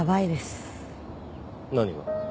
何が？